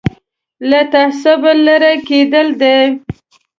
له تعصبه لرې کېدل ده.